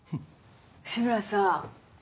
志村さん